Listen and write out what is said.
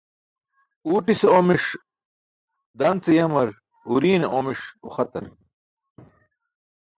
Uwtise omiṣ dan ce yamar, uriṅe omiṣ uxatar